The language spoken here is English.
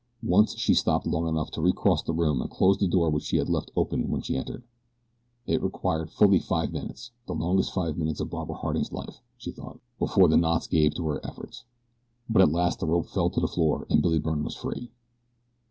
Once she stopped long enough to recross the room and close the door which she had left open when she entered. It required fully five minutes the longest five minutes of Barbara Harding's life, she thought before the knots gave to her efforts; but at last the rope fell to the floor and Billy Byrne was free.